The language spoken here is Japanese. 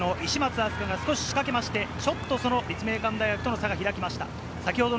愛朱加が少し仕掛けまして、ちょっとその立命館大学との差が開きました。